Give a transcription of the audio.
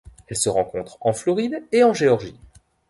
Elle se rencontre en Floride et en Géorgie.